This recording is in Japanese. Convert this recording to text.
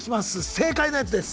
正解のやつです。